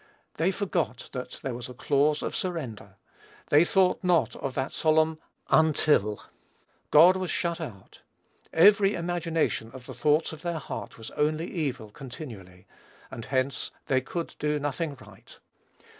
They forgot that there was a clause of surrender. They thought not of that solemn "until." God was shut out. "Every imagination of the thoughts of their heart was only evil continually;" and hence, they could do nothing right.